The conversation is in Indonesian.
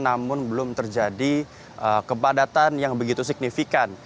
namun belum terjadi kepadatan yang begitu signifikan